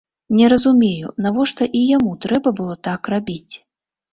Не разумею, навошта і яму трэба было так рабіць.